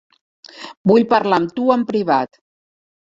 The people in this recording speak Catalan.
Vull parlar amb tu en privat.